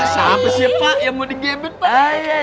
siapa sih pak yang mau digebet